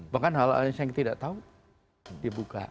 bahkan hal hal yang saya tidak tahu dibuka